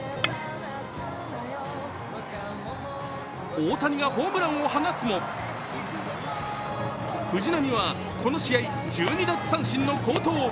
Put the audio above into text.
大谷がホームランを放つも藤浪はこの試合１２奪三振の好投。